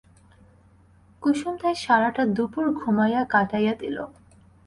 কুসুম তাই সারাটা দুপুর ঘুমাইয়া কাটাইয়া দিল।